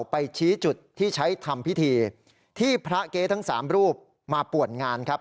ไปชี้จุดที่ใช้ทำพิธีที่พระเก๊ทั้ง๓รูปมาป่วนงานครับ